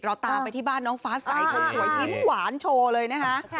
ตามไปที่บ้านน้องฟ้าใสคนสวยยิ้มหวานโชว์เลยนะคะ